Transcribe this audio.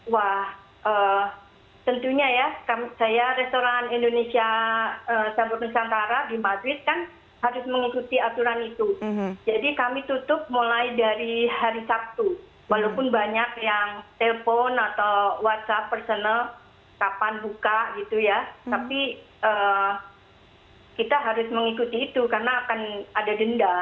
wah tentunya ya saya restoran indonesia saburnusantara di madrid kan harus mengikuti aturan itu jadi kami tutup mulai dari hari sabtu walaupun banyak yang telpon atau whatsapp personal kapan buka gitu ya tapi kita harus mengikuti itu karena akan ada denda